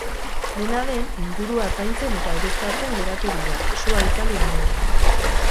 Dena den, ingurua zaintzen eta aireztatzen geratu dira, sua itzali ondoren.